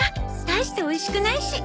大しておいしくないし。